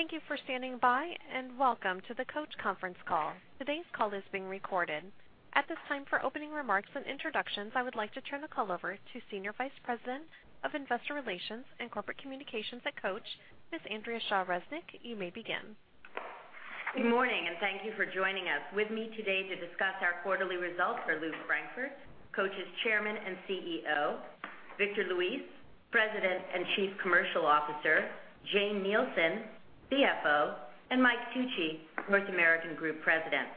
Thank you for standing by, and welcome to the Coach conference call. Today's call is being recorded. At this time, for opening remarks and introductions, I would like to turn the call over to Senior Vice President of Investor Relations and Corporate Communications at Coach, Ms. Andrea Shaw Resnick. You may begin. Good morning. Thank you for joining us. With me today to discuss our quarterly results are Lew Frankfort, Coach's Chairman and CEO; Victor Luis, President and Chief Commercial Officer; Jane Nielsen, CFO; and Mike Tucci, North American Group President.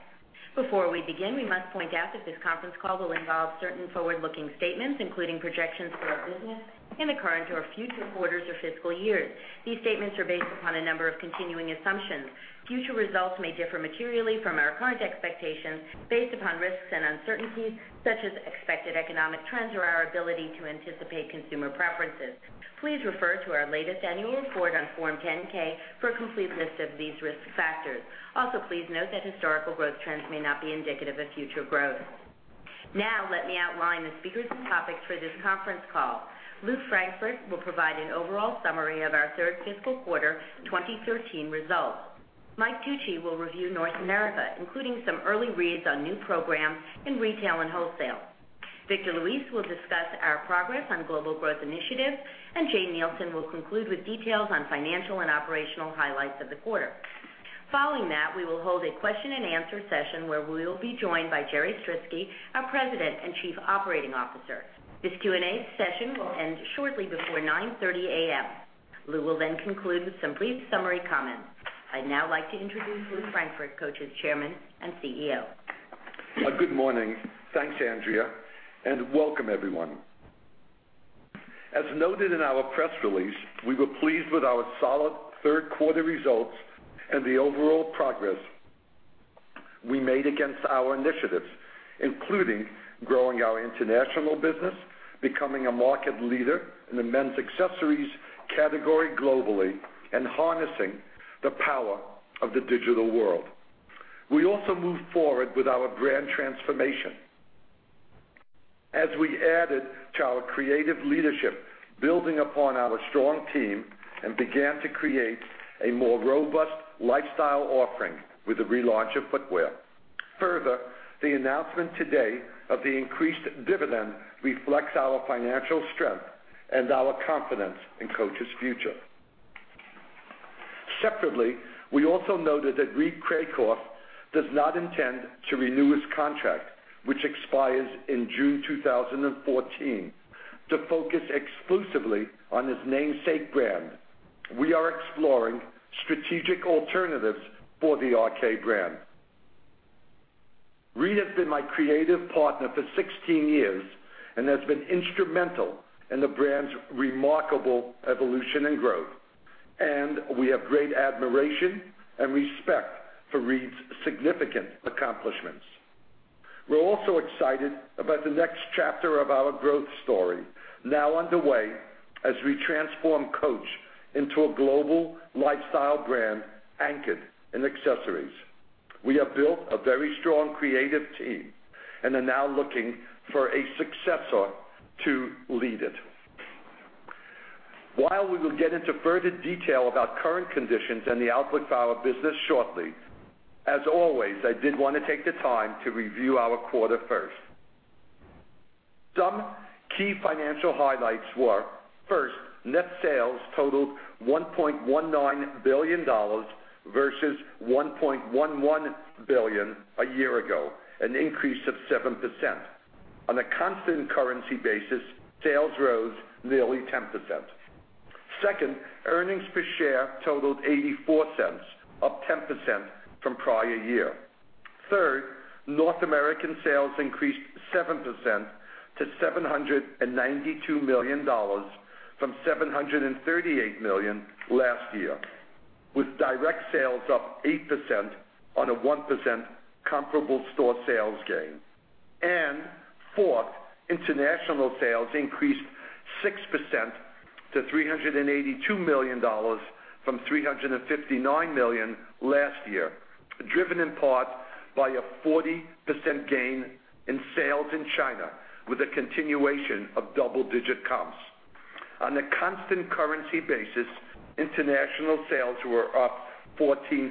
Before we begin, we must point out that this conference call will involve certain forward-looking statements, including projections for our business in the current or future quarters or fiscal years. These statements are based upon a number of continuing assumptions. Future results may differ materially from our current expectations based upon risks and uncertainties such as expected economic trends or our ability to anticipate consumer preferences. Please refer to our latest annual report on Form 10-K for a complete list of these risk factors. Also, please note that historical growth trends may not be indicative of future growth. Let me outline the speakers and topics for this conference call. Lew Frankfort will provide an overall summary of our third fiscal quarter 2013 results. Mike Tucci will review North America, including some early reads on new programs in retail and wholesale. Victor Luis will discuss our progress on global growth initiatives. Jane Nielsen will conclude with details on financial and operational highlights of the quarter. Following that, we will hold a question-and-answer session where we will be joined by Jerry Stritzke, our President and Chief Operating Officer. This Q&A session will end shortly before 9:30 A.M. Lew will conclude with some brief summary comments. I'd like to introduce Lew Frankfort, Coach's Chairman and CEO. Good morning. Thanks, Andrea. Welcome everyone. As noted in our press release, we were pleased with our solid third-quarter results and the overall progress we made against our initiatives, including growing our international business, becoming a market leader in the men's accessories category globally, and harnessing the power of the digital world. We also moved forward with our brand transformation as we added to our creative leadership, building upon our strong team, and began to create a more robust lifestyle offering with the relaunch of footwear. Further, the announcement today of the increased dividend reflects our financial strength and our confidence in Coach's future. Separately, we also noted that Reed Krakoff does not intend to renew his contract, which expires in June 2014, to focus exclusively on his namesake brand. We are exploring strategic alternatives for the RK brand. Reed has been my creative partner for 16 years and has been instrumental in the brand's remarkable evolution and growth. We have great admiration and respect for Reed's significant accomplishments. We're also excited about the next chapter of our growth story, now underway as we transform Coach into a global lifestyle brand anchored in accessories. We have built a very strong creative team and are now looking for a successor to lead it. While we will get into further detail about current conditions and the outlook for our business shortly, as always, I did want to take the time to review our quarter first. Some key financial highlights were. First, net sales totaled $1.19 billion versus $1.11 billion a year ago, an increase of 7%. On a constant currency basis, sales rose nearly 10%. Second, earnings per share totaled $0.84, up 10% from prior year. Third, North American sales increased 7% to $792 million from $738 million last year, with direct sales up 8% on a 1% comparable store sales gain. Fourth, international sales increased 6% to $382 million from $359 million last year, driven in part by a 40% gain in sales in China with a continuation of double-digit comps. On a constant currency basis, international sales were up 14%.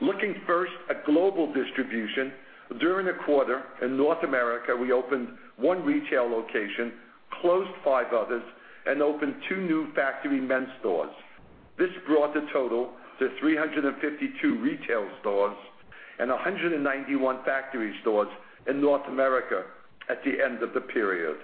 Looking first at global distribution, during the quarter in North America, we opened one retail location, closed five others, and opened two new factory men's stores. This brought the total to 352 retail stores and 191 factory stores in North America at the end of the period.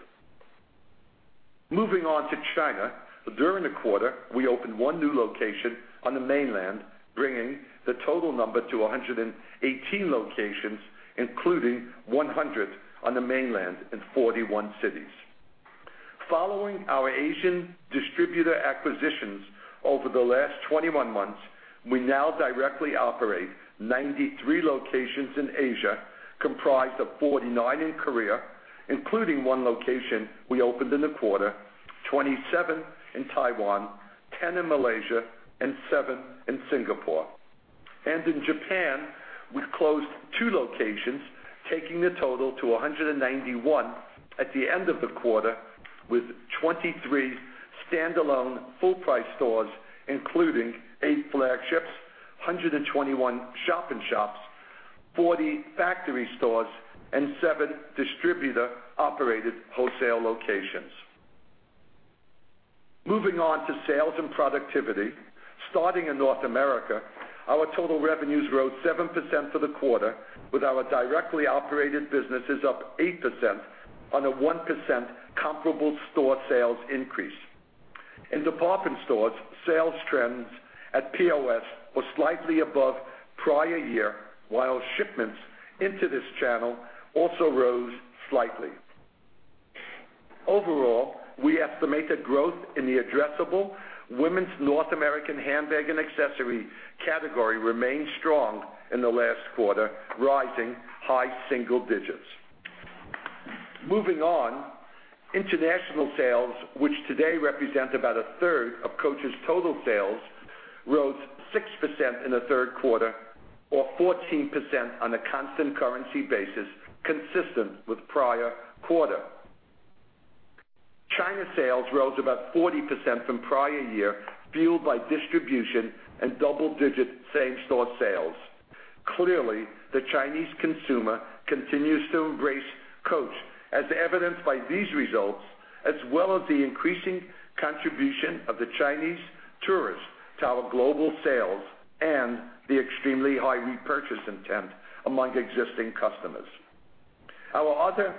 Moving on to China. During the quarter, we opened one new location on the mainland, bringing the total number to 118 locations, including 100 on the mainland in 41 cities. Following our Asian distributor acquisitions over the last 21 months, we now directly operate 93 locations in Asia, comprised of 49 in Korea, including one location we opened in the quarter, 27 in Taiwan, 10 in Malaysia, and seven in Singapore. In Japan, we closed two locations, taking the total to 191 at the end of the quarter, with 23 standalone full-price stores, including eight flagships, 121 shop-in-shops, 40 factory stores, and seven distributor-operated wholesale locations. Moving on to sales and productivity. Starting in North America, our total revenues grew 7% for the quarter, with our directly operated businesses up 8% on a 1% comparable store sales increase. In department stores, sales trends at POS were slightly above prior year, while shipments into this channel also rose slightly. Overall, we estimate the growth in the addressable women's North American handbag and accessory category remained strong in the last quarter, rising high single digits. Moving on. International sales, which today represent about a third of Coach's total sales, rose 6% in the third quarter or 14% on a constant currency basis, consistent with the prior quarter. China sales rose about 40% from the prior year, fueled by distribution and double-digit same-store sales. Clearly, the Chinese consumer continues to embrace Coach, as evidenced by these results, as well as the increasing contribution of the Chinese tourist to our global sales and the extremely high repurchase intent among existing customers. Our other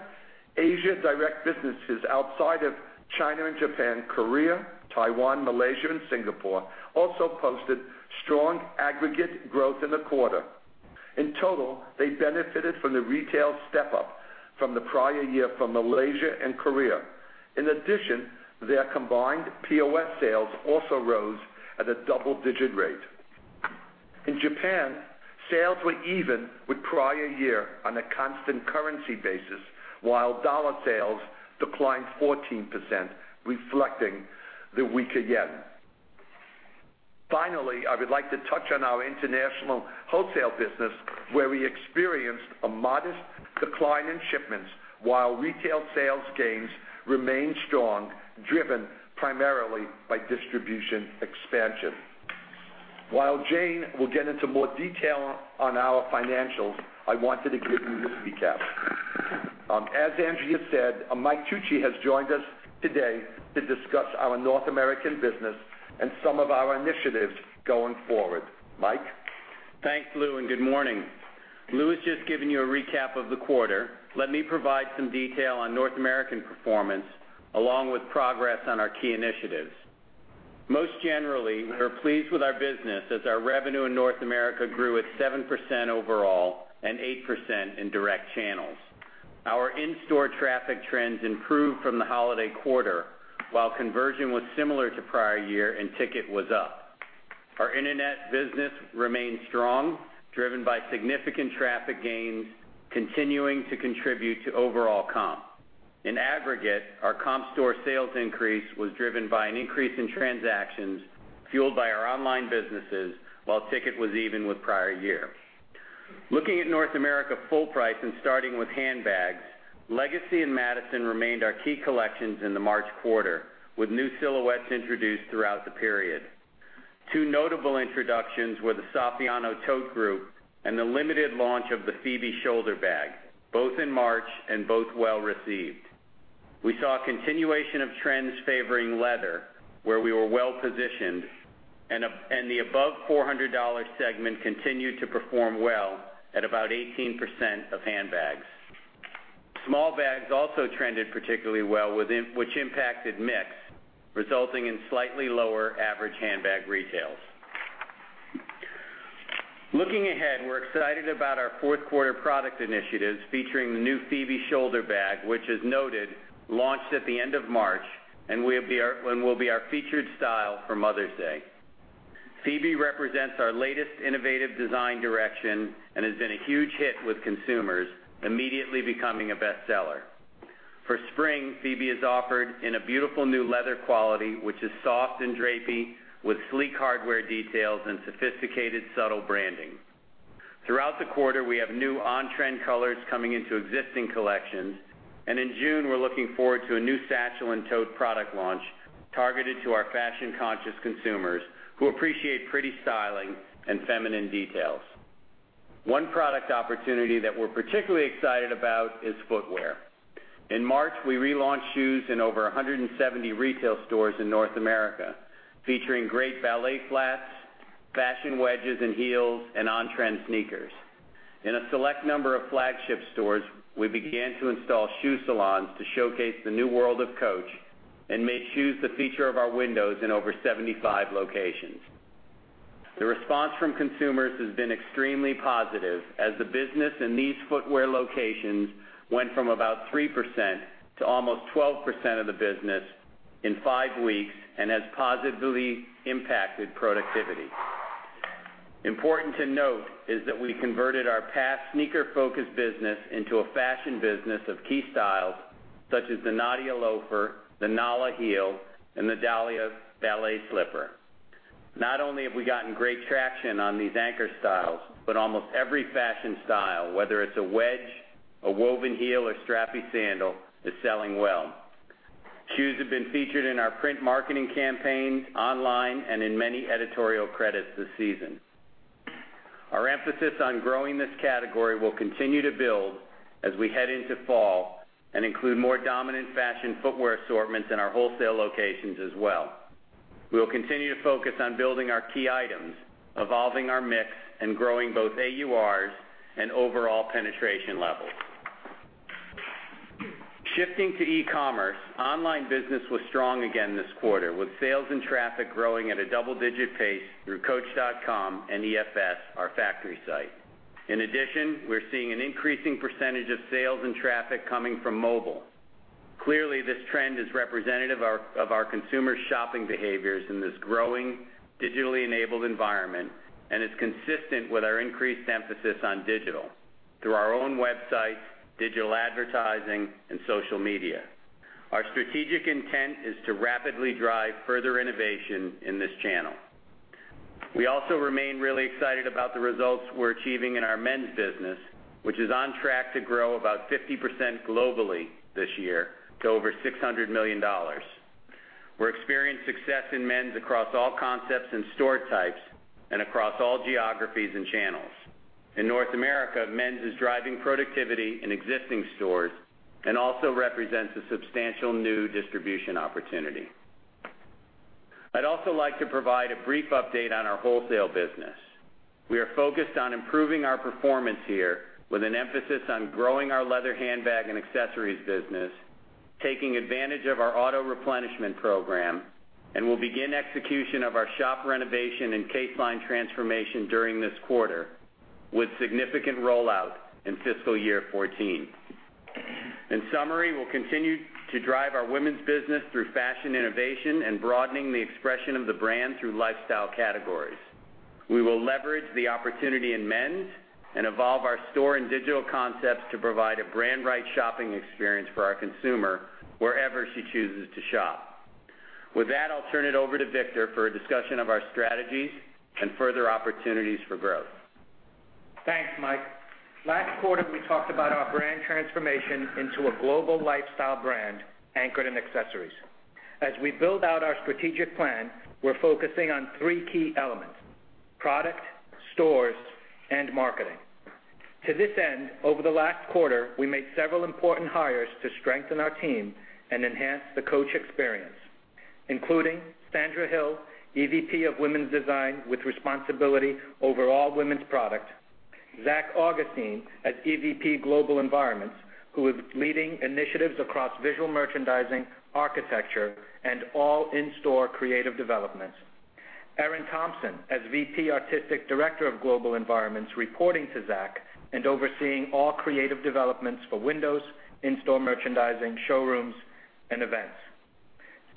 Asia direct businesses outside of China and Japan, Korea, Taiwan, Malaysia, and Singapore also posted strong aggregate growth in the quarter. In total, they benefited from the retail step-up from the prior year from Malaysia and Korea. In addition, their combined POS sales also rose at a double-digit rate. In Japan, sales were even with the prior year on a constant currency basis, while dollar sales declined 14%, reflecting the weaker yen. Finally, I would like to touch on our international wholesale business, where we experienced a modest decline in shipments while retail sales gains remained strong, driven primarily by distribution expansion. While Jane will get into more detail on our financials, I wanted to give you this recap. As Andrea said, Mike Tucci has joined us today to discuss our North American business and some of our initiatives going forward. Mike? Thanks, Lew, and good morning. Lew has just given you a recap of the quarter. Let me provide some detail on North American performance, along with progress on our key initiatives. Most generally, we are pleased with our business as our revenue in North America grew at 7% overall and 8% in direct channels. Our in-store traffic trends improved from the holiday quarter, while conversion was similar to the prior year and ticket was up. Our internet business remains strong, driven by significant traffic gains continuing to contribute to overall comp. In aggregate, our comp store sales increase was driven by an increase in transactions fueled by our online businesses, while ticket was even with the prior year. Looking at North America full-price and starting with handbags, Legacy and Madison remained our key collections in the March quarter, with new silhouettes introduced throughout the period. Two notable introductions were the Saffiano tote group and the limited launch of the Phoebe shoulder bag, both in March and both well-received. We saw a continuation of trends favoring leather, where we were well-positioned, and the above $400 segment continued to perform well at about 18% of handbags. Small bags also trended particularly well, which impacted mix, resulting in slightly lower average handbag retails. Looking ahead, we're excited about our fourth-quarter product initiatives featuring the new Phoebe shoulder bag, which as noted, launched at the end of March and will be our featured style for Mother's Day. Phoebe represents our latest innovative design direction and has been a huge hit with consumers, immediately becoming a best-seller. For spring, Phoebe is offered in a beautiful new leather quality, which is soft and drapey with sleek hardware details and sophisticated, subtle branding. Throughout the quarter, we have new on-trend colors coming into existing collections, and in June, we're looking forward to a new satchel and tote product launch targeted to our fashion-conscious consumers who appreciate pretty styling and feminine details. One product opportunity that we're particularly excited about is footwear. In March, we relaunched shoes in over 170 retail stores in North America, featuring great ballet flats, fashion wedges and heels, and on-trend sneakers. In a select number of flagship stores, we began to install shoe salons to showcase the new world of Coach and made shoes the feature of our windows in over 75 locations. The response from consumers has been extremely positive as the business in these footwear locations went from about 3% to almost 12% of the business in five weeks and has positively impacted productivity. Important to note is that we converted our past sneaker-focused business into a fashion business of key styles such as the Nadia loafer, the Nala heel, and the Dalia ballet slipper. Not only have we gotten great traction on these anchor styles, but almost every fashion style, whether it's a wedge, a woven heel, or strappy sandal, is selling well. Shoes have been featured in our print marketing campaigns, online, and in many editorial credits this season. Our emphasis on growing this category will continue to build as we head into fall and include more dominant fashion footwear assortments in our wholesale locations as well. We will continue to focus on building our key items, evolving our mix, and growing both AURs and overall penetration levels. Shifting to e-commerce, online business was strong again this quarter, with sales and traffic growing at a double-digit pace through coach.com and EFS, our factory site. In addition, we're seeing an increasing percentage of sales and traffic coming from mobile. Clearly, this trend is representative of our consumer shopping behaviors in this growing digitally enabled environment and is consistent with our increased emphasis on digital through our own website, digital advertising, and social media. Our strategic intent is to rapidly drive further innovation in this channel. We also remain really excited about the results we're achieving in our men's business, which is on track to grow about 50% globally this year to over $600 million. We're experienced success in men's across all concepts and store types, and across all geographies and channels. In North America, men's is driving productivity in existing stores and also represents a substantial new distribution opportunity. I'd also like to provide a brief update on our wholesale business. We are focused on improving our performance here with an emphasis on growing our leather handbag and accessories business, taking advantage of our auto-replenishment program, and will begin execution of our shop renovation and case line transformation during this quarter, with significant rollout in fiscal year 2014. In summary, we'll continue to drive our women's business through fashion innovation and broadening the expression of the brand through lifestyle categories. We will leverage the opportunity in men's and evolve our store and digital concepts to provide a brand-right shopping experience for our consumer wherever she chooses to shop. With that, I'll turn it over to Victor for a discussion of our strategies and further opportunities for growth. Thanks, Mike. Last quarter, we talked about our brand transformation into a global lifestyle brand anchored in accessories. As we build out our strategic plan, we're focusing on three key elements, product, stores, and marketing. To this end, over the last quarter, we made several important hires to strengthen our team and enhance the Coach experience, including Sandra Hill, EVP of Women's Design, with responsibility over all women's product. Zach Augustine as EVP Global Environments, who is leading initiatives across visual merchandising, architecture, and all in-store creative developments. Erin Thompson as VP Artistic Director of Global Environments, reporting to Zach and overseeing all creative developments for windows, in-store merchandising, showrooms, and events.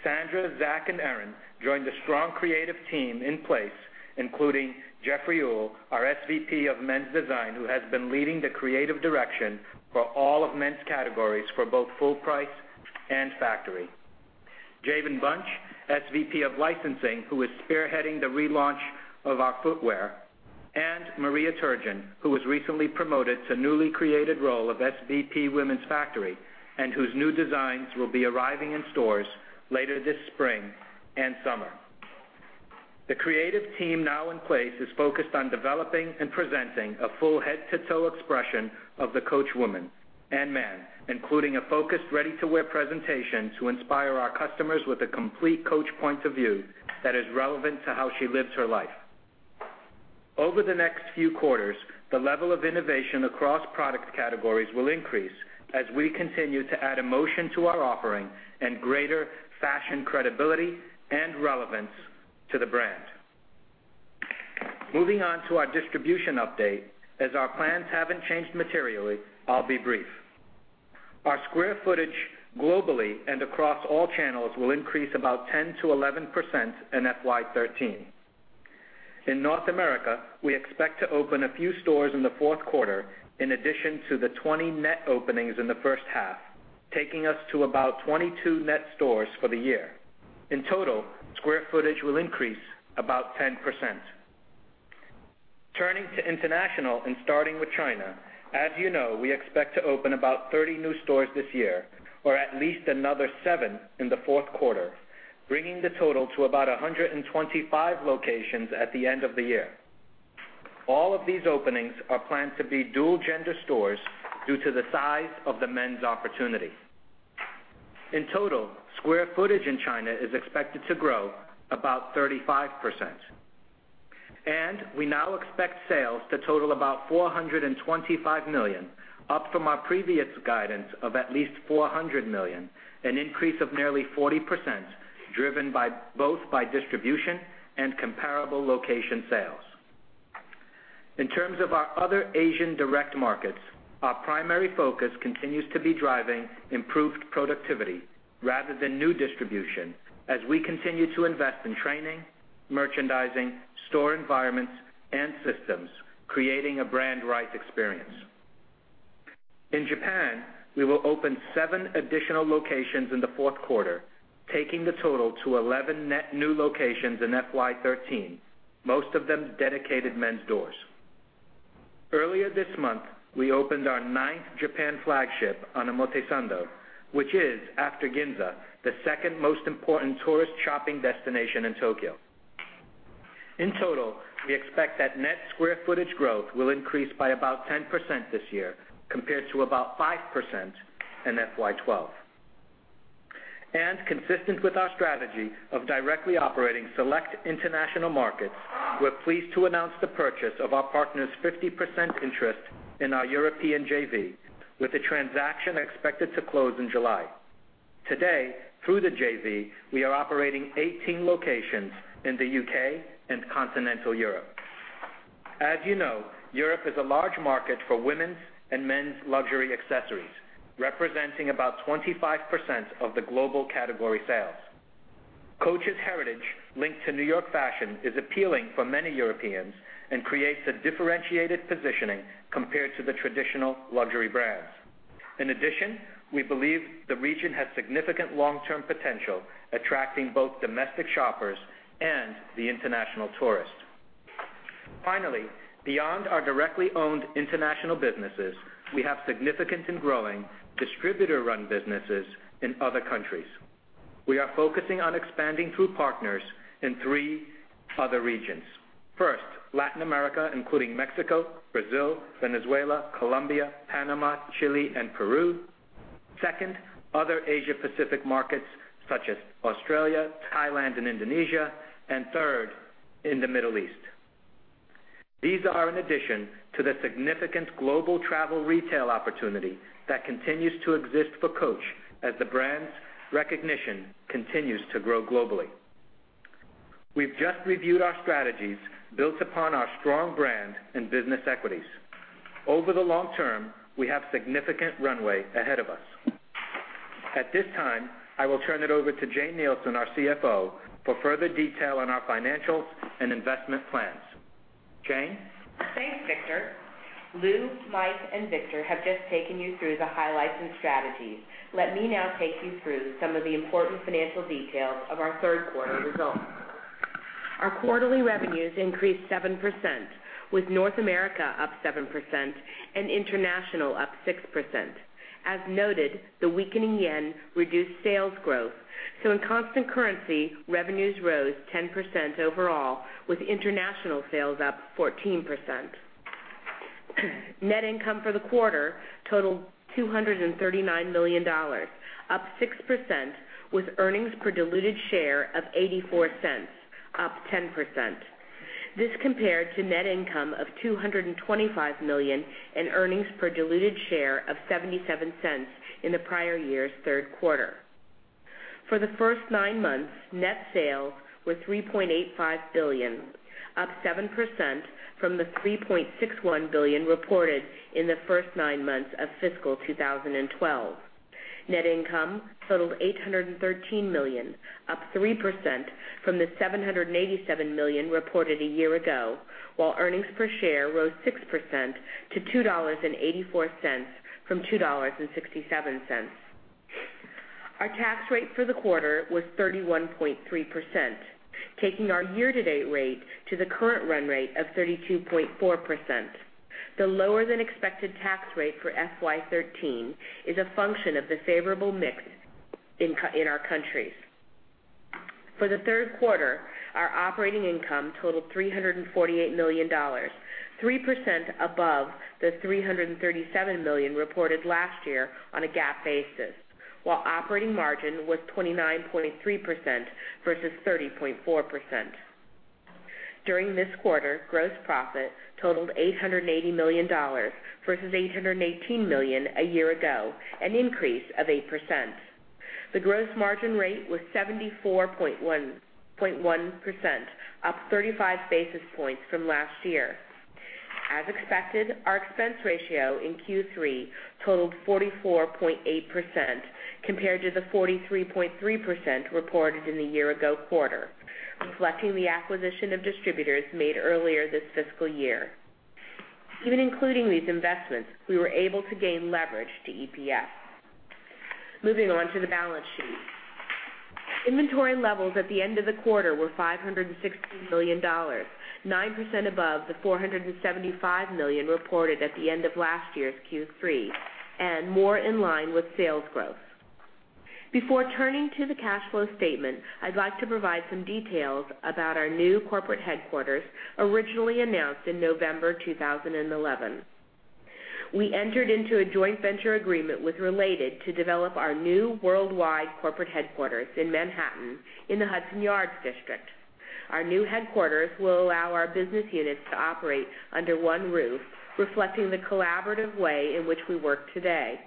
Sandra, Zach, and Erin join the strong creative team in place, including Jeffrey Uhl, our SVP of Men's Design, who has been leading the creative direction for all of men's categories for both full price and factory. Javen Bunch, SVP of Licensing, who is spearheading the relaunch of our footwear, and Maria Turjan, who was recently promoted to newly created role of SVP Women's Factory, and whose new designs will be arriving in stores later this spring and summer. The creative team now in place is focused on developing and presenting a full head-to-toe expression of the Coach woman and man, including a focused ready-to-wear presentation to inspire our customers with a complete Coach point of view that is relevant to how she lives her life. Over the next few quarters, the level of innovation across product categories will increase as we continue to add emotion to our offering and greater fashion credibility and relevance to the brand. Moving on to our distribution update. As our plans haven't changed materially, I'll be brief. Our square footage globally and across all channels will increase about 10%-11% in FY 2013. In North America, we expect to open a few stores in the fourth quarter in addition to the 20 net openings in the first half, taking us to about 22 net stores for the year. In total, square footage will increase about 10%. Turning to international and starting with China, as you know, we expect to open about 30 new stores this year or at least another seven in the fourth quarter, bringing the total to about 125 locations at the end of the year. All of these openings are planned to be dual-gender stores due to the size of the men's opportunity. In total, square footage in China is expected to grow about 35%. We now expect sales to total about $425 million, up from our previous guidance of at least $400 million, an increase of nearly 40%, driven both by distribution and comparable location sales. In terms of our other Asian direct markets, our primary focus continues to be driving improved productivity rather than new distribution as we continue to invest in training, re-merchandising, store environments, and systems, creating a brand right experience. In Japan, we will open seven additional locations in the fourth quarter, taking the total to 11 net new locations in FY 2013, most of them dedicated men's doors. Earlier this month, we opened our ninth Japan flagship on Omotesando, which is, after Ginza, the second most important tourist shopping destination in Tokyo. In total, we expect that net square footage growth will increase by about 10% this year compared to about 5% in FY 2012. Consistent with our strategy of directly operating select international markets, we're pleased to announce the purchase of our partner's 50% interest in our European JV, with the transaction expected to close in July. Today, through the JV, we are operating 18 locations in the U.K. and continental Europe. As you know, Europe is a large market for women's and men's luxury accessories, representing about 25% of the global category sales. Coach's heritage linked to New York fashion is appealing for many Europeans and creates a differentiated positioning compared to the traditional luxury brands. In addition, we believe the region has significant long-term potential, attracting both domestic shoppers and the international tourist. Finally, beyond our directly owned international businesses, we have significant and growing distributor-run businesses in other countries. We are focusing on expanding through partners in three other regions. First, Latin America, including Mexico, Brazil, Venezuela, Colombia, Panama, Chile, and Peru. Second, other Asia Pacific markets such as Australia, Thailand, and Indonesia. Third, in the Middle East. These are in addition to the significant global travel retail opportunity that continues to exist for Coach as the brand's recognition continues to grow globally. We've just reviewed our strategies built upon our strong brand and business equities. Over the long term, we have significant runway ahead of us. At this time, I will turn it over to Jane Nielsen, our CFO, for further detail on our financials and investment plans. Jane? Thanks, Victor. Lew, Mike, and Victor have just taken you through the highlights and strategies. Let me now take you through some of the important financial details of our third quarter results. Our quarterly revenues increased 7%, with North America up 7% and international up 6%. As noted, the weakening yen reduced sales growth, so in constant currency, revenues rose 10% overall, with international sales up 14%. Net income for the quarter totaled $239 million, up 6%, with earnings per diluted share of $0.84, up 10%. This compared to net income of $225 million and earnings per diluted share of $0.77 in the prior year's third quarter. For the first nine months, net sales were $3.85 billion, up 7% from the $3.61 billion reported in the first nine months of fiscal 2012. Net income totaled $813 million, up 3% from the $787 million reported a year ago, while earnings per share rose 6% to $2.84 from $2.67. Our tax rate for the quarter was 31.3%, taking our year-to-date rate to the current run rate of 32.4%. The lower than expected tax rate for FY 2013 is a function of the favorable mix in our countries. For the third quarter, our operating income totaled $348 million, 3% above the $337 million reported last year on a GAAP basis, while operating margin was 29.3% versus 30.4%. During this quarter, gross profit totaled $880 million versus $818 million a year ago, an increase of 8%. The gross margin rate was 74.1%, up 35 basis points from last year. As expected, our expense ratio in Q3 totaled 44.8% compared to the 43.3% reported in the year-ago quarter, reflecting the acquisition of distributors made earlier this fiscal year. Even including these investments, we were able to gain leverage to EPS. Moving on to the balance sheet. Inventory levels at the end of the quarter were $560 million, 9% above the $475 million reported at the end of last year's Q3, and more in line with sales growth. Before turning to the cash flow statement, I'd like to provide some details about our new corporate headquarters, originally announced in November 2011. We entered into a joint venture agreement with Related to develop our new worldwide corporate headquarters in Manhattan in the Hudson Yards district. Our new headquarters will allow our business units to operate under one roof, reflecting the collaborative way in which we work today.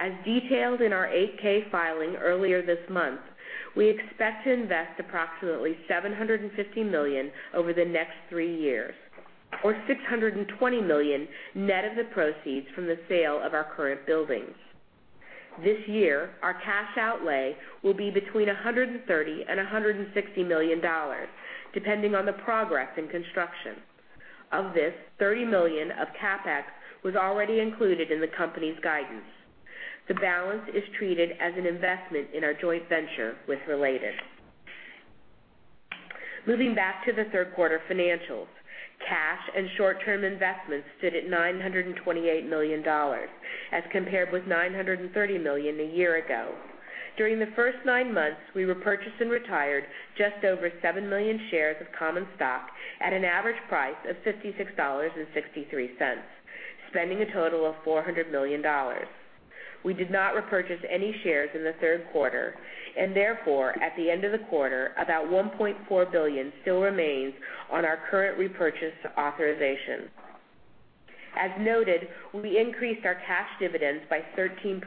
As detailed in our 8-K filing earlier this month, we expect to invest approximately $750 million over the next three years, or $620 million net of the proceeds from the sale of our current buildings. This year, our cash outlay will be between $130 million and $160 million, depending on the progress in construction. Of this, $30 million of CapEx was already included in the company's guidance. The balance is treated as an investment in our joint venture with Related. Moving back to the third quarter financials, cash and short-term investments sit at $928 million, as compared with $930 million a year ago. During the first nine months, we repurchased and retired just over 7 million shares of common stock at an average price of $56.63, spending a total of $400 million. We did not repurchase any shares in the third quarter. Therefore, at the end of the quarter, about $1.4 billion still remains on our current repurchase authorization. As noted, we increased our cash dividends by 13%,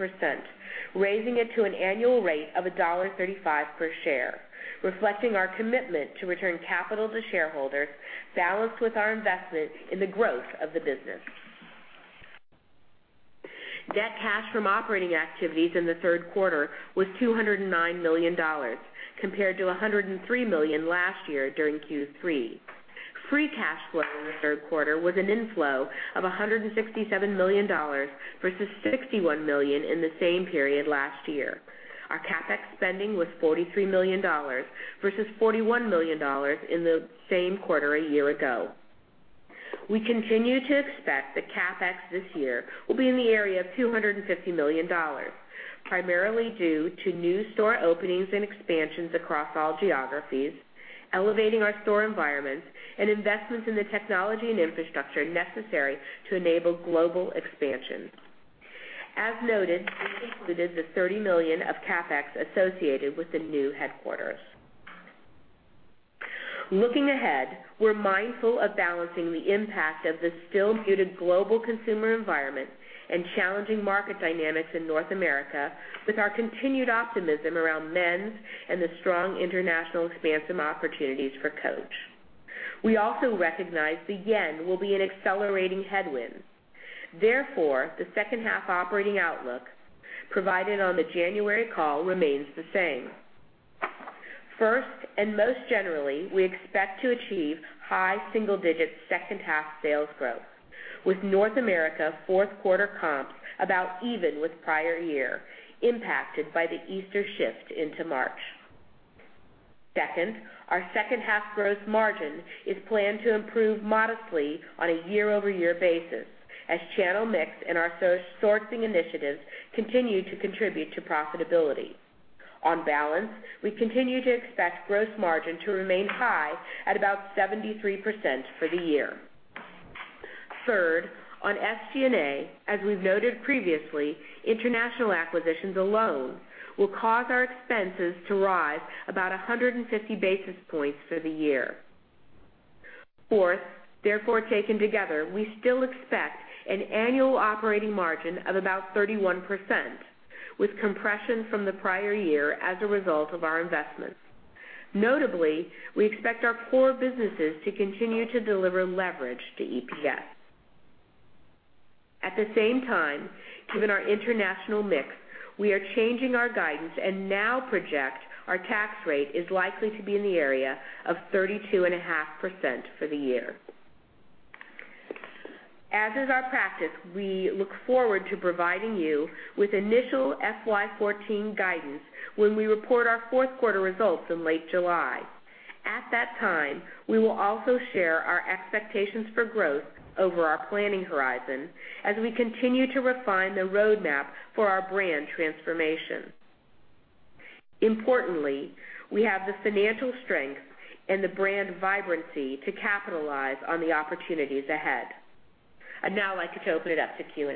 raising it to an annual rate of $1.35 per share, reflecting our commitment to return capital to shareholders, balanced with our investment in the growth of the business. Net cash from operating activities in the third quarter was $209 million, compared to $103 million last year during Q3. Free cash flow in the third quarter was an inflow of $167 million versus $61 million in the same period last year. Our CapEx spending was $43 million versus $41 million in the same quarter a year ago. We continue to expect that CapEx this year will be in the area of $250 million, primarily due to new store openings and expansions across all geographies, elevating our store environments, and investments in the technology and infrastructure necessary to enable global expansion. As noted, we've included the $30 million of CapEx associated with the new headquarters. Looking ahead, we're mindful of balancing the impact of the still muted global consumer environment and challenging market dynamics in North America with our continued optimism around men's and the strong international expansion opportunities for Coach. We also recognize the yen will be an accelerating headwind. Therefore, the second half operating outlook provided on the January call remains the same. First, and most generally, we expect to achieve high single-digit second half sales growth, with North America fourth quarter comps about even with prior year, impacted by the Easter shift into March. Second, our second half gross margin is planned to improve modestly on a year-over-year basis as channel mix and our sourcing initiatives continue to contribute to profitability. On balance, we continue to expect gross margin to remain high at about 73% for the year. Third, on SG&A, as we've noted previously, international acquisitions alone will cause our expenses to rise about 150 basis points for the year. Fourth, therefore, taken together, we still expect an annual operating margin of about 31%, with compression from the prior year as a result of our investments. Notably, we expect our core businesses to continue to deliver leverage to EPS. At the same time, given our international mix, we are changing our guidance and now project our tax rate is likely to be in the area of 32.5% for the year. As is our practice, we look forward to providing you with initial FY 2014 guidance when we report our fourth quarter results in late July. At that time, we will also share our expectations for growth over our planning horizon as we continue to refine the roadmap for our brand transformation. Importantly, we have the financial strength and the brand vibrancy to capitalize on the opportunities ahead. I'd now like to open it up to Q&A.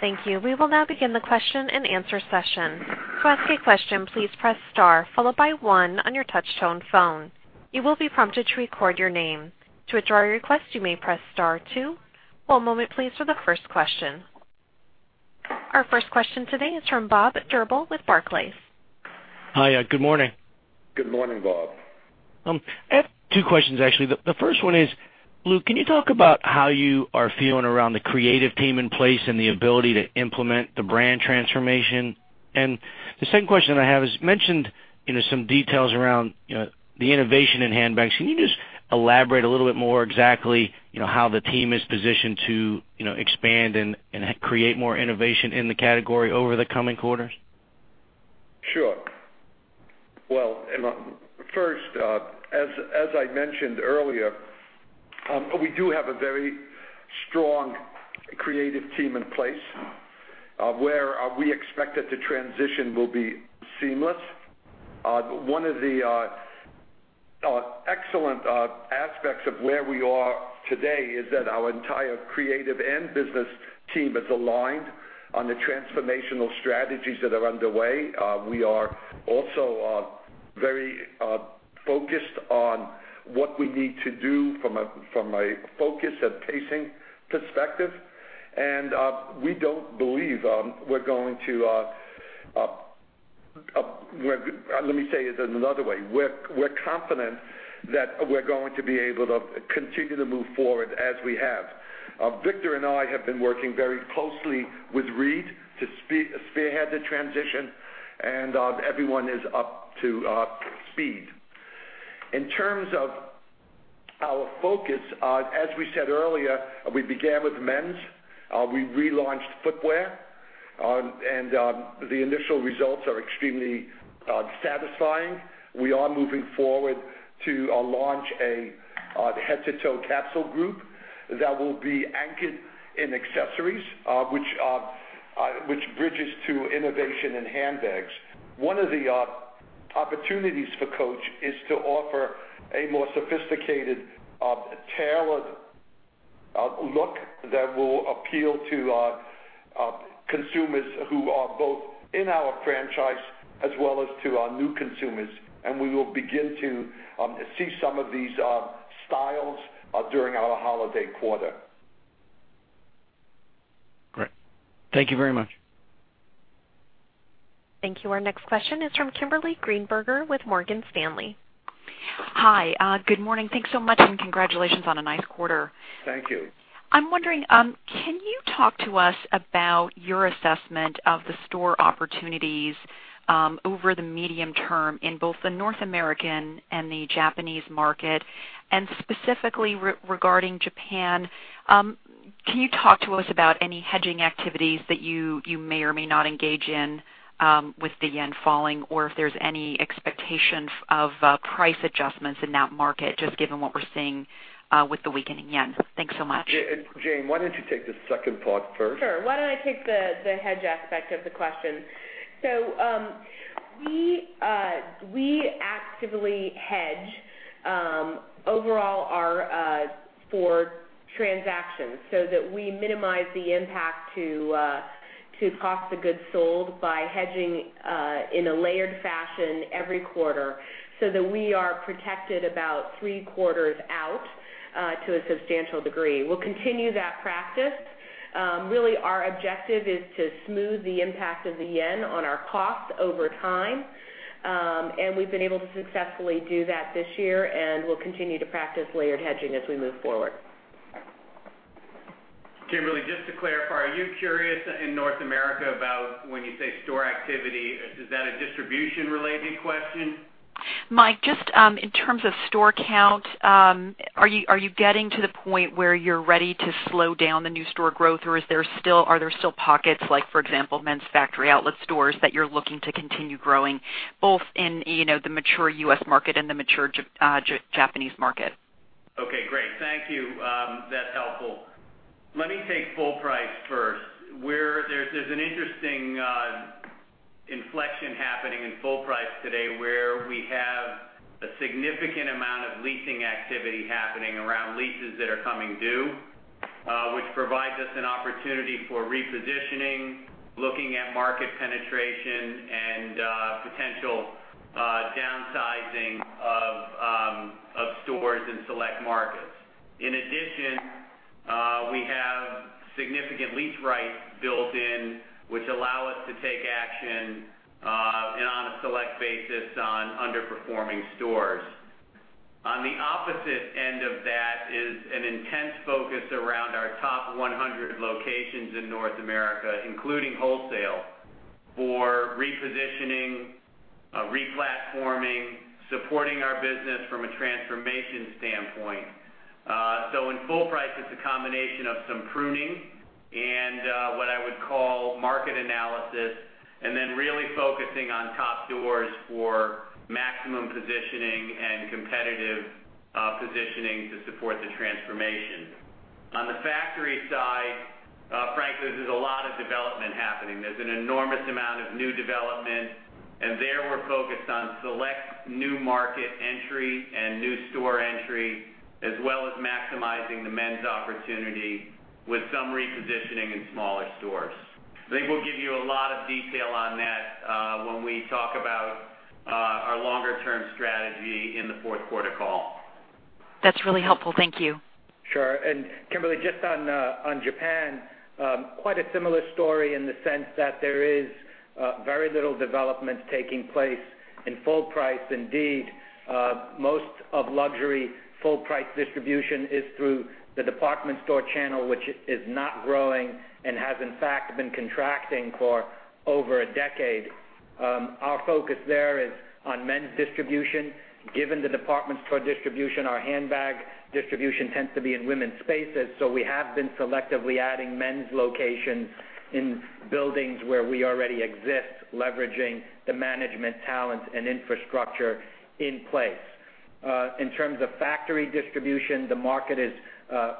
Thank you. We will now begin the question and answer session. To ask a question, please press star followed by one on your touch tone phone. You will be prompted to record your name. To withdraw your request, you may press star two. One moment please for the first question. Our first question today is from Bob Drbul with Barclays. Hi, good morning. Good morning, Bob. I have two questions, actually. The first one is, Lew, can you talk about how you are feeling around the creative team in place and the ability to implement the brand transformation? The second question I have is, you mentioned some details around the innovation in handbags. Can you just elaborate a little bit more exactly how the team is positioned to expand and create more innovation in the category over the coming quarters? Sure. Well, first, as I mentioned earlier, we do have a very strong creative team in place where we expect that the transition will be seamless. One of the excellent aspects of where we are today is that our entire creative and business team is aligned on the transformational strategies that are underway. We are also very focused on what we need to do from a focus and pacing perspective. Let me say it in another way. We're confident that we're going to be able to continue to move forward as we have. Victor and I have been working very closely with Reed to spearhead the transition, and everyone is up to speed. In terms of our focus, as we said earlier, we began with men's. We relaunched footwear, and the initial results are extremely satisfying. We are moving forward to launch a head-to-toe capsule group that will be anchored in accessories, which bridges to innovation and handbags. One of the opportunities for Coach is to offer a more sophisticated, tailored look that will appeal to our consumers who are both in our franchise as well as to our new consumers. We will begin to see some of these styles during our holiday quarter. Great. Thank you very much. Thank you. Our next question is from Kimberly Greenberger with Morgan Stanley. Hi. Good morning. Thanks so much, and congratulations on a nice quarter. Thank you. I'm wondering, can you talk to us about your assessment of the store opportunities over the medium term in both the North American and the Japanese market? Specifically regarding Japan, can you talk to us about any hedging activities that you may or may not engage in with the yen falling? If there's any expectation of price adjustments in that market, just given what we're seeing with the weakening yen. Thanks so much. Jane, why don't you take the second part first? Sure. We actively hedge overall our forward transactions so that we minimize the impact to cost of goods sold by hedging in a layered fashion every quarter so that we are protected about three quarters out to a substantial degree. We'll continue that practice. Really, our objective is to smooth the impact of the yen on our costs over time. We've been able to successfully do that this year, and we'll continue to practice layered hedging as we move forward. Kimberly, just to clarify, are you curious in North America about when you say store activity, is that a distribution-related question? Mike, just in terms of store count, are you getting to the point where you're ready to slow down the new store growth? Are there still pockets, for example, men's factory outlet stores, that you're looking to continue growing both in the mature U.S. market and the mature Japanese market? Okay, great. Thank you. That's helpful. Let me take full price first. There's an interesting inflection happening in full price today, where we have a significant amount of leasing activity happening around leases that are coming due, which provides us an opportunity for repositioning, looking at market penetration and potential downsizing of stores in select markets. In addition, we have significant lease rights built in, which allow us to take action and on a select basis on underperforming stores. On the opposite end of that is an intense focus around our top 100 locations in North America, including wholesale, for repositioning, re-platforming, supporting our business from a transformation standpoint. In full price, it's a combination of some pruning and what I would call market analysis, and then really focusing on top stores for maximum positioning and competitive positioning to support the transformation. On the factory side, frankly, there's a lot of development happening. There's an enormous amount of new development, there we're focused on select new market entry and new store entry, as well as maximizing the men's opportunity with some repositioning in smaller stores. I think we'll give you a lot of detail on that when we talk about our longer-term strategy in the fourth quarter call. That's really helpful. Thank you. Sure. Kimberly, just on Japan, quite a similar story in the sense that there is very little development taking place in full price. Indeed, most of luxury full price distribution is through the department store channel, which is not growing and has, in fact, been contracting for over a decade. Our focus there is on men's distribution. Given the department store distribution, our handbag distribution tends to be in women's spaces. We have been selectively adding men's locations in buildings where we already exist, leveraging the management talent and infrastructure in place. In terms of factory distribution, the market is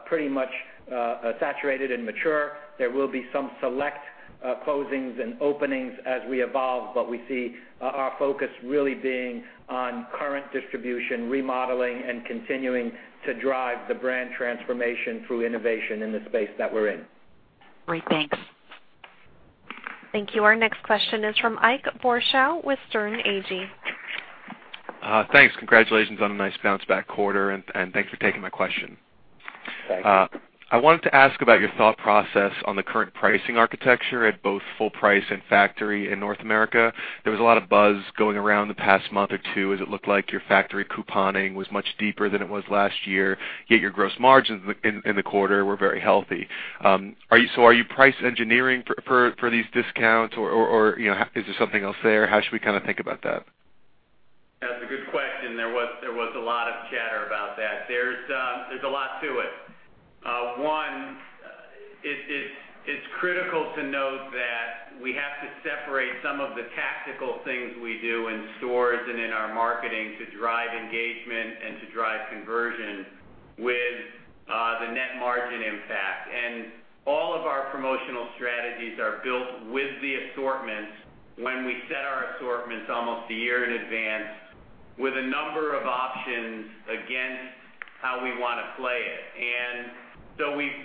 pretty much saturated and mature. There will be some select closings and openings as we evolve, but we see our focus really being on current distribution, remodeling, and continuing to drive the brand transformation through innovation in the space that we're in. Great. Thanks. Thank you. Our next question is from Ike Boruchow with Sterne Agee. Thanks. Congratulations on a nice bounce-back quarter, and thanks for taking my question. Thank you. I wanted to ask about your thought process on the current pricing architecture at both full price and factory in North America. There was a lot of buzz going around the past month or two as it looked like your factory couponing was much deeper than it was last year, yet your gross margins in the quarter were very healthy. Are you price engineering for these discounts or is there something else there? How should we think about that? That's a good question. There was a lot of chatter about that. There's a lot to it. One, it's critical to note that we have to separate some of the tactical things we do in stores and in our marketing to drive engagement and to drive conversion with the net margin impact. All of our promotional strategies are built with the assortments when we set our assortments almost a year in advance with a number of options against how we want to play it.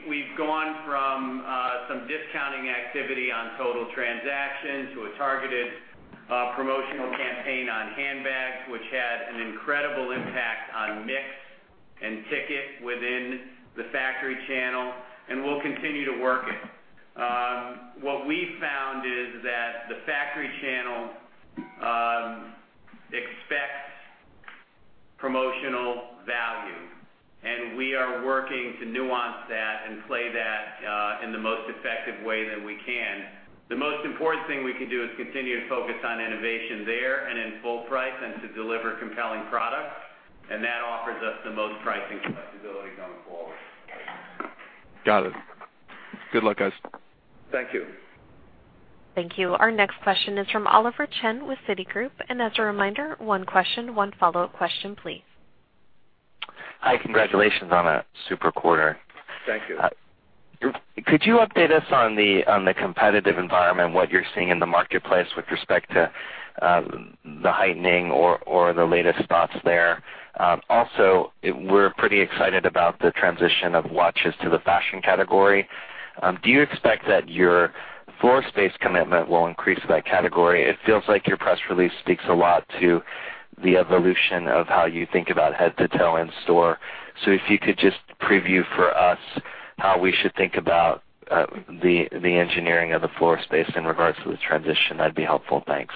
We've gone from some discounting activity on total transactions to a targeted promotional campaign on handbags, which had an incredible impact on mix and ticket within the factory channel, and we'll continue to work it. What we've found is that the factory channel expects promotional value, and we are working to nuance that and play that in the most effective way that we can. The most important thing we can do is continue to focus on innovation there and in full price and to deliver compelling products, and that offers us the most pricing flexibility going forward. Got it. Good luck, guys. Thank you. Thank you. Our next question is from Oliver Chen with Citigroup. As a reminder, one question, one follow-up question, please. Hi. Congratulations on a super quarter. Thank you. Could you update us on the competitive environment, what you're seeing in the marketplace with respect to the heightening or the latest spots there? We're pretty excited about the transition of watches to the fashion category. Do you expect that your floor space commitment will increase that category? It feels like your press release speaks a lot to the evolution of how you think about head to toe in store. If you could just preview for us how we should think about the engineering of the floor space in regards to the transition, that'd be helpful. Thanks.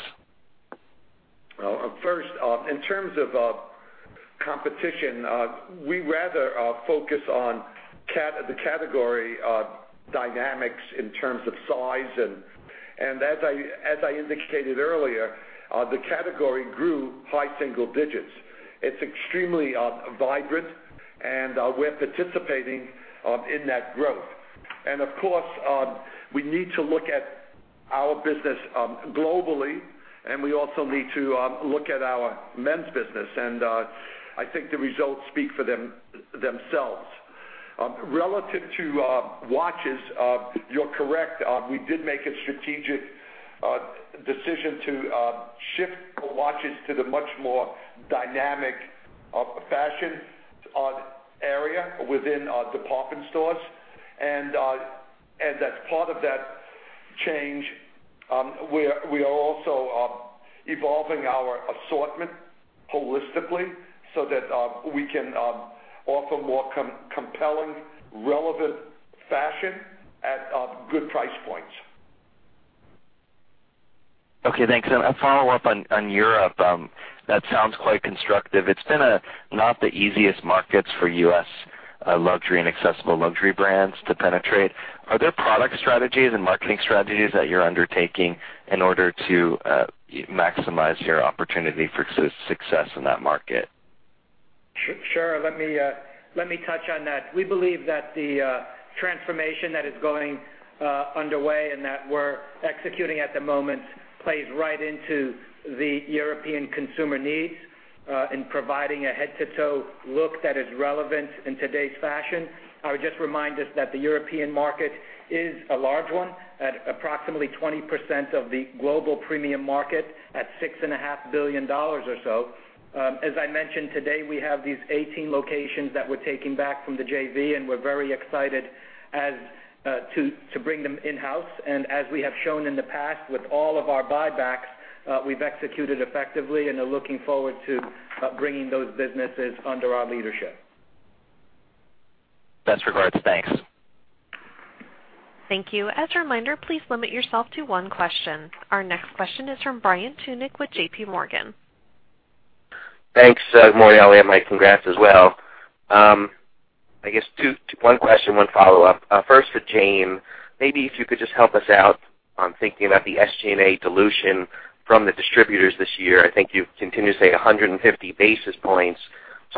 Well, first, in terms of competition, we rather focus on the category dynamics in terms of size. As I indicated earlier, the category grew high single digits. It's extremely vibrant and we're participating in that growth. Of course, we need to look at our business globally, and we also need to look at our men's business. I think the results speak for themselves. Relative to watches, you're correct. We did make a strategic decision to shift the watches to the much more dynamic fashion area within department stores. As part of that change, we are also evolving our assortment holistically so that we can offer more compelling, relevant fashion at good price points. Okay, thanks. A follow-up on Europe. That sounds quite constructive. It's been not the easiest markets for U.S. luxury and accessible luxury brands to penetrate. Are there product strategies and marketing strategies that you're undertaking in order to maximize your opportunity for success in that market? Sure. Let me touch on that. We believe that the transformation that is going underway and that we're executing at the moment plays right into the European consumer needs in providing a head-to-toe look that is relevant in today's fashion. I would just remind us that the European market is a large one at approximately 20% of the global premium market at $6.5 billion or so. As I mentioned today, we have these 18 locations that we're taking back from the JV, and we're very excited to bring them in-house. As we have shown in the past with all of our buybacks, we've executed effectively and are looking forward to bringing those businesses under our leadership. Best regards. Thanks. Thank you. As a reminder, please limit yourself to one question. Our next question is from Brian Tunick with JP Morgan. Thanks. [inaudible] Yeah, Mike, congrats as well. I guess one question, one follow-up. First for Jane, maybe if you could just help us out on thinking about the SG&A dilution from the distributors this year. I think you've continued to say 150 basis points.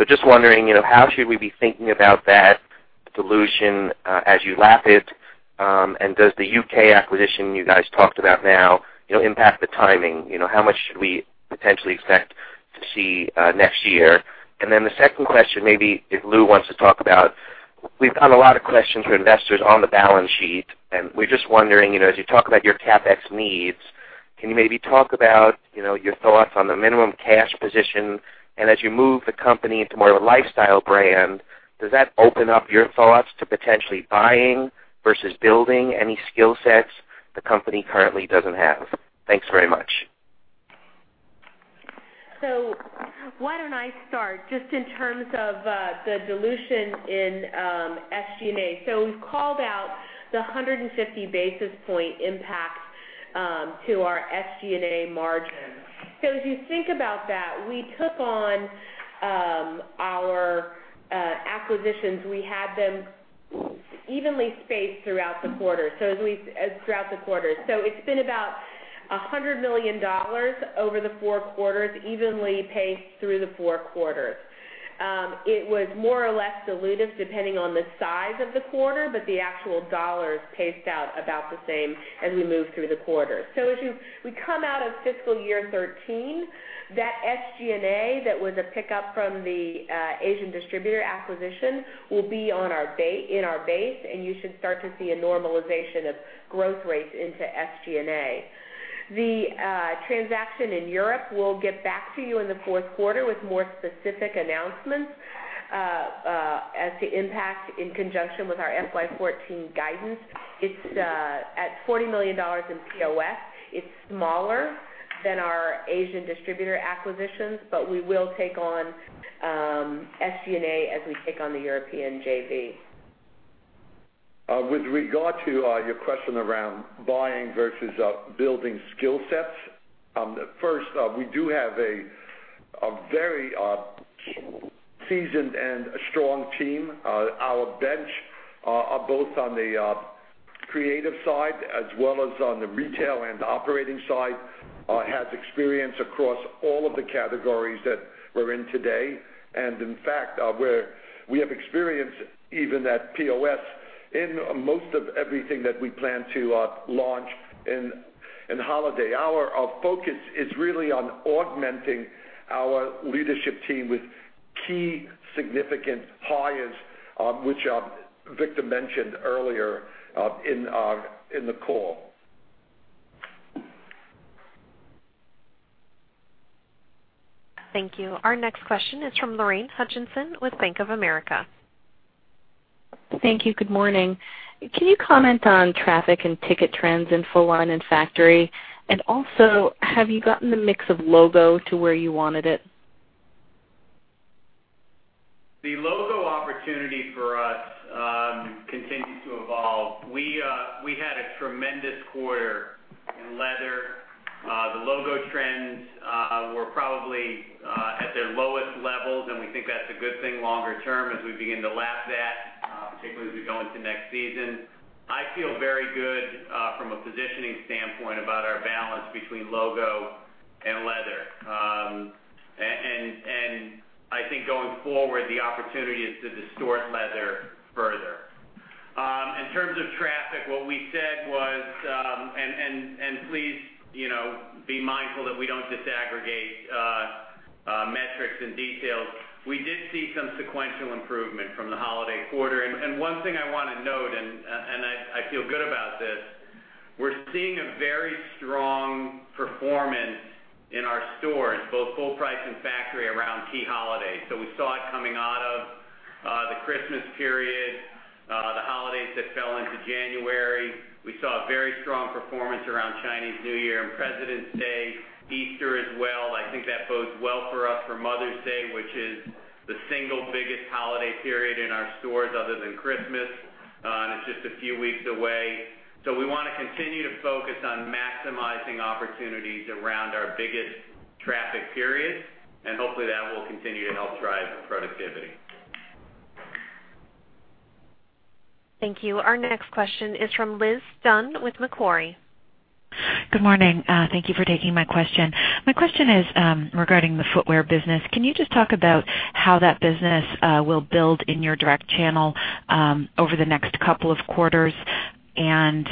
Just wondering, how should we be thinking about that dilution as you lap it? And does the U.K. acquisition you guys talked about now impact the timing? How much should we potentially expect to see next year? And then the second question, maybe if Lew wants to talk about, we've got a lot of questions from investors on the balance sheet, and we're just wondering, as you talk about your CapEx needs, can you maybe talk about your thoughts on the minimum cash position? As you move the company into more of a lifestyle brand, does that open up your thoughts to potentially buying versus building any skill sets? The company currently doesn't have. Thanks very much. Why don't I start just in terms of the dilution in SG&A. We've called out the 150 basis point impact to our SG&A margin. As you think about that, we took on our acquisitions. We had them evenly spaced throughout the quarter. It's been about $100 million over the four quarters, evenly paced through the four quarters. It was more or less dilutive depending on the size of the quarter, but the actual dollars paced out about the same as we moved through the quarter. As we come out of fiscal year 2013, that SG&A, that was a pickup from the Asian distributor acquisition, will be in our base, and you should start to see a normalization of growth rates into SG&A. The transaction in Europe, we'll get back to you in the fourth quarter with more specific announcements as to impact in conjunction with our FY 2014 guidance. It's at $40 million in POS. It's smaller than our Asian distributor acquisitions, but we will take on SG&A as we take on the European JV. With regard to your question around buying versus building skill sets. First, we do have a very seasoned and strong team. Our bench, both on the creative side as well as on the retail and operating side, has experience across all of the categories that we're in today. In fact, we have experience even at POS in most of everything that we plan to launch in holiday. Our focus is really on augmenting our leadership team with key significant hires, which Victor mentioned earlier in the call. Thank you. Our next question is from Lorraine Hutchinson with Bank of America. Thank you. Good morning. Can you comment on traffic and ticket trends in Full Line and Factory? Also, have you gotten the mix of logo to where you wanted it? The logo opportunity for us continues to evolve. We had a tremendous quarter in leather. The logo trends were probably at their lowest levels, and we think that's a good thing longer term as we begin to lap that, particularly as we go into next season. I think going forward, the opportunity is to distort leather further. In terms of traffic, what we said was. Please be mindful that we don't disaggregate metrics and details. We did see some sequential improvement from the holiday quarter. One thing I want to note, and I feel good about this, we're seeing a very strong performance in our stores, both full price and factory, around key holidays. We saw it coming out of the Christmas period, the holidays that fell into January. We saw very strong performance around Chinese New Year and President's Day, Easter as well. I think that bodes well for us for Mother's Day, which is the single biggest holiday period in our stores other than Christmas, and it's just a few weeks away. We want to continue to focus on maximizing opportunities around our biggest traffic periods, and hopefully, that will continue to help drive productivity. Thank you. Our next question is from Liz Dunn with Macquarie. Good morning. Thank you for taking my question. My question is regarding the footwear business. Can you just talk about how that business will build in your direct channel over the next couple of quarters and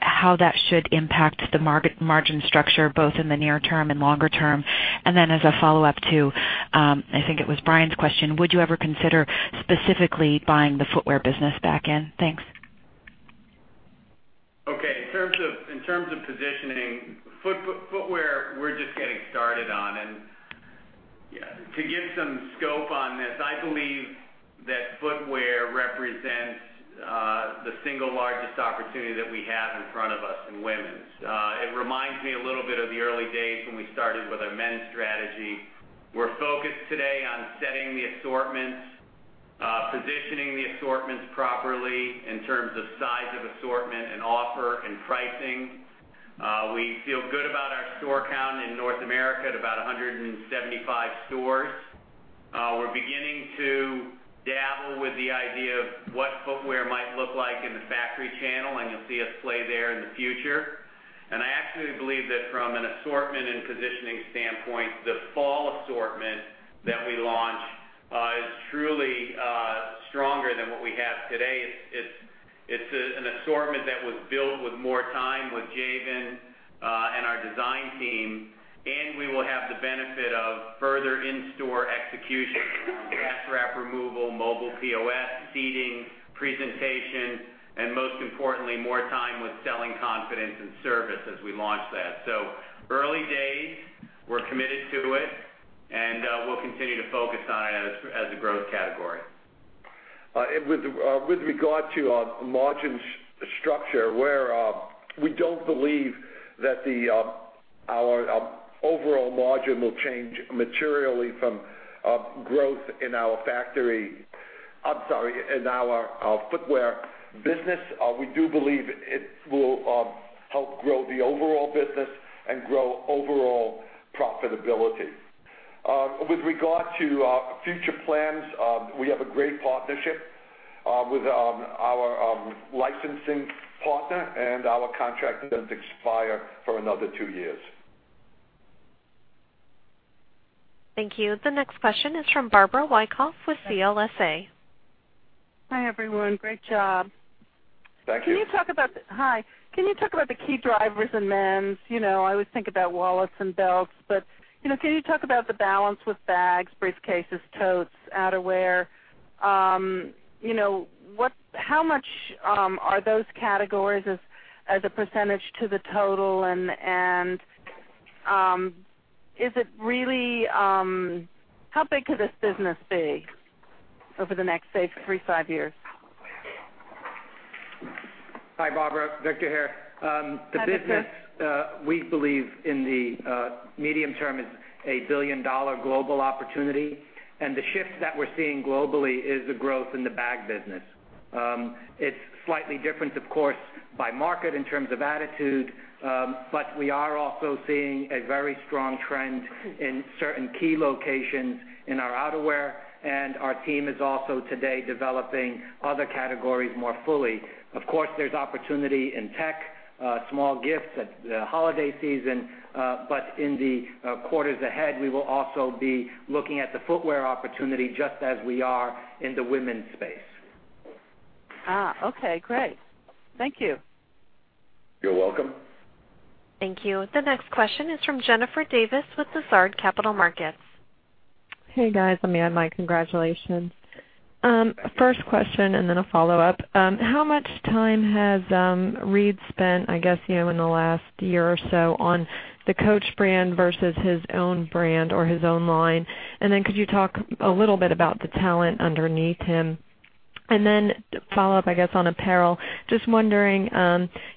how that should impact the margin structure, both in the near term and longer term? Then as a follow-up to, I think it was Brian's question, would you ever consider specifically buying the footwear business back in? Thanks. Okay. In terms of positioning footwear, we're just getting started on and to give some scope on this, I believe that footwear represents the single largest opportunity that we have in front of us in women's. It reminds me a little bit of the early days when we started with our men's strategy. We're focused today on setting the assortments, positioning the assortments properly in terms of size of assortment and offer and pricing. We feel good about our store count in North America at about 175 stores. We're beginning to dabble with the idea of what footwear might look like in the factory channel, and you'll see us play there in the future. I actually believe that from an assortment and positioning standpoint, the fall assortment that we launch is truly stronger than what we have today. It's an assortment that was built with more time with Javin and our design team, and we will have the benefit of further in-store execution on gift wrap removal, mobile POS, seating, presentation, and most importantly, more time with selling confidence and service as we launch that. Early days, we're committed to it, and we'll continue to focus on it as a growth category. With regard to our margins structure, where we don't believe that our overall margin will change materially from growth in our footwear business. We do believe it will help grow the overall business and grow overall profitability. With regard to future plans, we have a great partnership with our licensing partner, and our contract doesn't expire for another two years. Thank you. The next question is from Barbara Wyckoff with CLSA. Hi, everyone. Great job. Thank you. Hi. Can you talk about the key drivers in men's? I always think about wallets and belts. Can you talk about the balance with bags, briefcases, totes, outerwear? How much are those categories as a percentage to the total, and how big could this business be over the next, say, three to five years? Hi, Barbara. Victor here. Hi, Victor. The business, we believe in the medium term, is a billion-dollar global opportunity. The shift that we're seeing globally is the growth in the bag business. It's slightly different, of course, by market in terms of attitude. We are also seeing a very strong trend in certain key locations in our outerwear. Our team is also today developing other categories more fully. Of course, there's opportunity in tech, small gifts at the holiday season. In the quarters ahead, we will also be looking at the footwear opportunity just as we are in the women's space. Okay, great. Thank you. You're welcome. Thank you. The next question is from Jennifer Davis with Lazard Capital Markets. Hey, guys. Let me add my congratulations. First question, a follow-up. How much time has Reed spent, I guess, in the last year or so on the Coach brand versus his own brand or his own line? Could you talk a little bit about the talent underneath him? To follow up, I guess, on apparel, just wondering,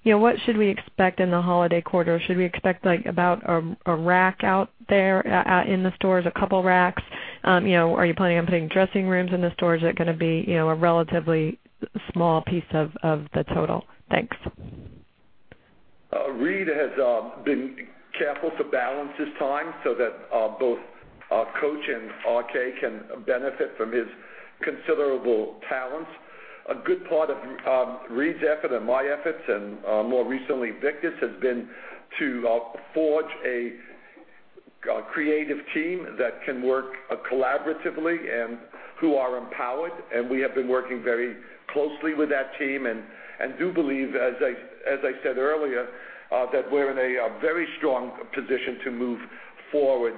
what should we expect in the holiday quarter? Should we expect about a rack out there in the stores, a couple racks? Are you planning on putting dressing rooms in the store? Is it going to be a relatively small piece of the total? Thanks. Reed has been careful to balance his time so that both Coach and RK can benefit from his considerable talents. A good part of Reed's effort and my efforts, and more recently Victor's, has been to forge a creative team that can work collaboratively and who are empowered. We have been working very closely with that team and do believe, as I said earlier, that we're in a very strong position to move forward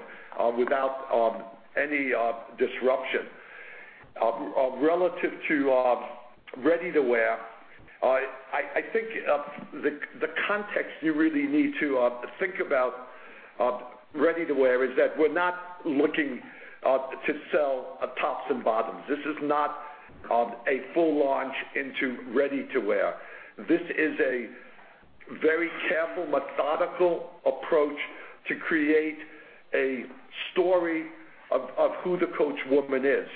without any disruption. Relative to ready-to-wear, I think the context you really need to think about ready-to-wear is that we're not looking to sell tops and bottoms. This is not a full launch into ready-to-wear. This is a very careful, methodical approach to create a story of who the Coach woman is.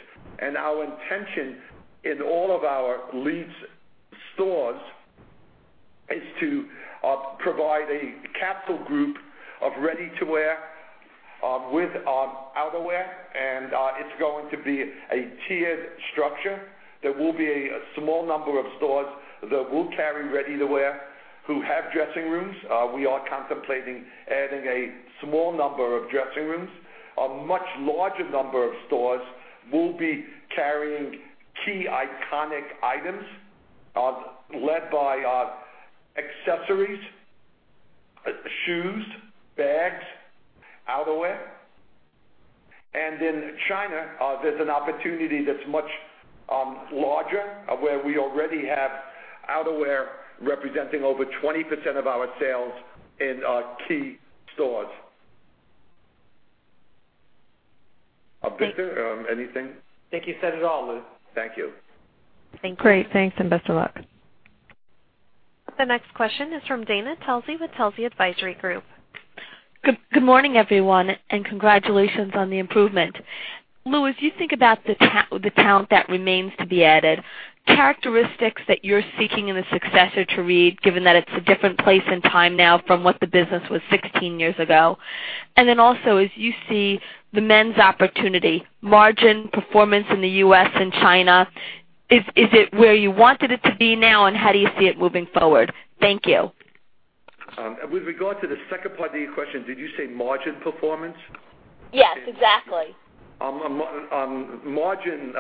Our intention in all of our lead stores is to provide a capsule group of ready-to-wear with outerwear, and it's going to be a tiered structure. There will be a small number of stores that will carry ready-to-wear who have dressing rooms. We are contemplating adding a small number of dressing rooms. A much larger number of stores will be carrying key iconic items led by accessories, shoes, bags, outerwear. In China, there's an opportunity that's much larger, where we already have outerwear representing over 20% of our sales in our key stores. Victor, anything? I think you said it all, Lew. Thank you. Thank you. Great. Thanks, and best of luck. The next question is from Dana Telsey with Telsey Advisory Group. Good morning, everyone, and congratulations on the improvement. Lew, as you think about the talent that remains to be added, characteristics that you're seeking in the successor to Reed, given that it's a different place and time now from what the business was 16 years ago. Then also, as you see the men's opportunity, margin performance in the U.S. and China, is it where you wanted it to be now, and how do you see it moving forward? Thank you. With regard to the second part of your question, did you say margin performance? Yes, exactly. Margin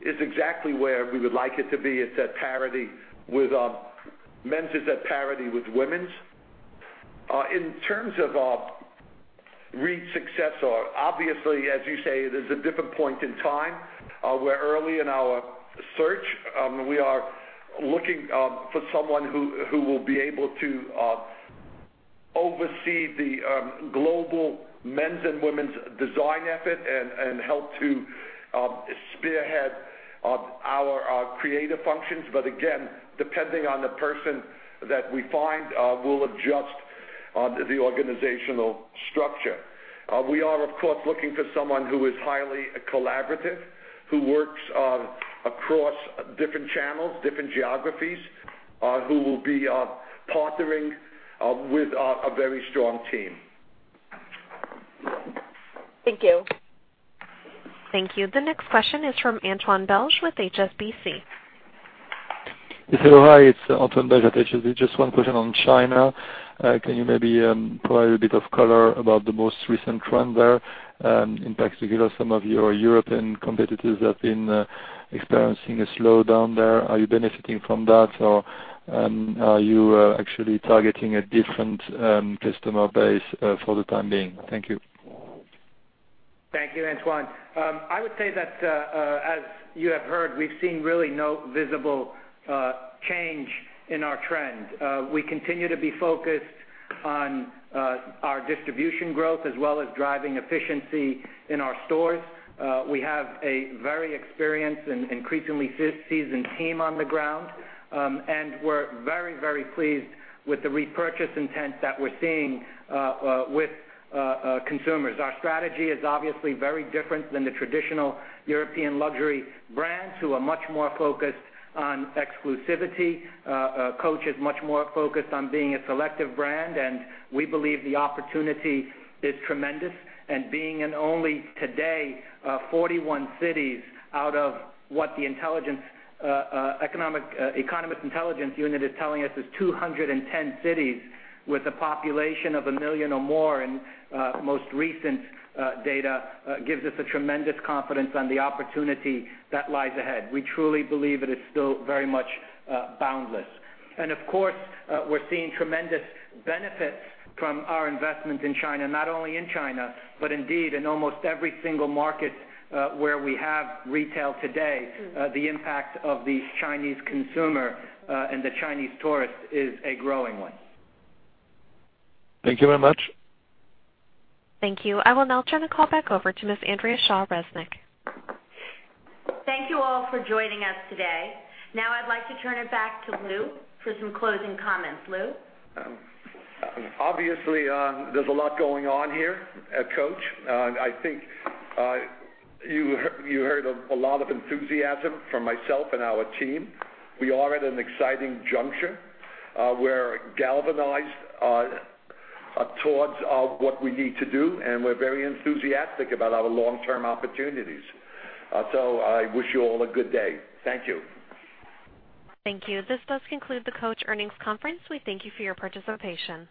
is exactly where we would like it to be. Men's is at parity with women's. In terms of Reed's successor, obviously, as you say, it is a different point in time. We're early in our search. We are looking for someone who will be able to oversee the global men's and women's design effort and help to spearhead our creative functions. Again, depending on the person that we find, we'll adjust the organizational structure. We are, of course, looking for someone who is highly collaborative, who works across different channels, different geographies, who will be partnering with a very strong team. Thank you. Thank you. The next question is from Antoine Belge with HSBC. Yes, hello. It's Antoine Belge at HSBC. Just one question on China. Can you maybe provide a bit of color about the most recent trend there? In particular, some of your European competitors have been experiencing a slowdown there. Are you benefiting from that, or are you actually targeting a different customer base for the time being? Thank you. Thank you, Antoine. I would say that, as you have heard, we've seen really no visible change in our trend. We continue to be focused on our distribution growth, as well as driving efficiency in our stores. We have a very experienced and increasingly seasoned team on the ground, and we're very pleased with the repurchase intent that we're seeing with consumers. Our strategy is obviously very different than the traditional European luxury brands, who are much more focused on exclusivity. Coach is much more focused on being a selective brand, and we believe the opportunity is tremendous. Being in only today 41 cities out of what the Economist Intelligence Unit is telling us is 210 cities with a population of a million or more in most recent data gives us a tremendous confidence on the opportunity that lies ahead. We truly believe it is still very much boundless. Of course, we're seeing tremendous benefits from our investment in China, not only in China, but indeed in almost every single market where we have retail today. The impact of the Chinese consumer and the Chinese tourist is a growing one. Thank you very much. Thank you. I will now turn the call back over to Ms. Andrea Shaw Resnick. Thank you all for joining us today. I'd like to turn it back to Lew for some closing comments. Lew? Obviously, there's a lot going on here at Coach. I think you heard a lot of enthusiasm from myself and our team. We are at an exciting juncture. We're galvanized towards what we need to do, and we're very enthusiastic about our long-term opportunities. I wish you all a good day. Thank you. Thank you. This does conclude the Coach earnings conference. We thank you for your participation.